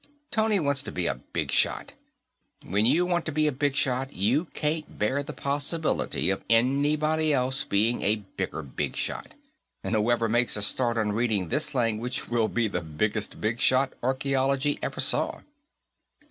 "Tony wants to be a big shot. When you want to be a big shot, you can't bear the possibility of anybody else being a bigger big shot, and whoever makes a start on reading this language will be the biggest big shot archaeology ever saw."